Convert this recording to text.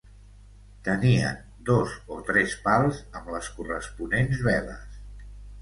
Tenien dos o tres pals amb les corresponents veles.